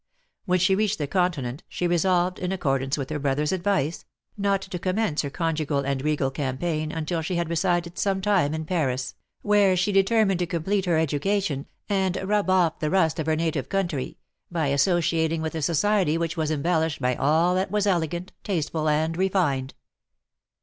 When she reached the Continent, she resolved, in accordance with her brother's advice, not to commence her conjugal and regal campaign until she had resided some time in Paris, where she determined to complete her education, and rub off the rust of her native country, by associating with a society which was embellished by all that was elegant, tasteful, and refined.